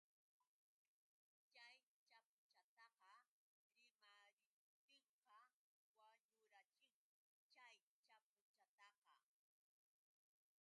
Chay chapuchataqa rimariptinqa wañurachin chay chapuchataqa.